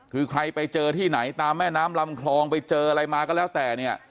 คือใครไปเจอที่ไหนตามแม่น้ำลำคลองไปเจออะไรมาก็แล้วแต่เนี่ย